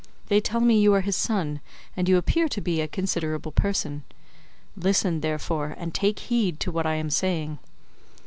They tell me you are his son, and you appear to be a considerable person; listen, therefore, and take heed to what I am saying.